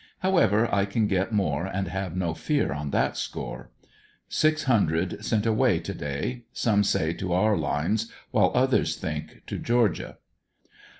However I can get more and have no fear on that score. Six hundred sent away to day, some say to our lines wiiile others think to Georgia.